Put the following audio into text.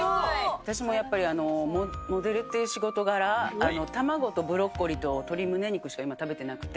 私もやっぱり、モデルっていう仕事柄、卵とブロッコリーと鶏むね肉しか今、食べてなくて。